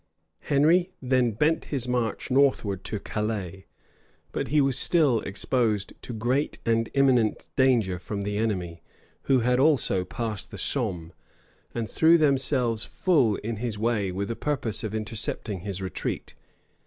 13 Henry then bent his march northwards to Calais; but he was still exposed to great and imminent danger from the enemy, who had also passed the Somme, and threw themselves full in his way, with a purpose of intercepting his retreat.